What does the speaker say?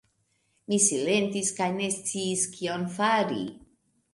Mi silentis kaj ne sciis kion fari.